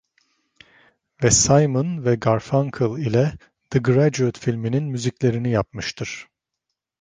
Ve Simon ve Garfunkel ile "The Graduate" filminin müziklerini yapmıştır.